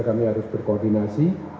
kami harus berkoordinasi